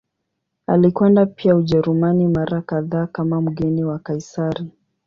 Alikwenda pia Ujerumani mara kadhaa kama mgeni wa Kaisari.